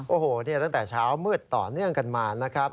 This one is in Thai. โอ้โหตั้งแต่เช้ามืดต่อเนื่องกันมานะครับ